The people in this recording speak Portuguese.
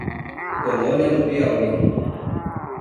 Colônia do Piauí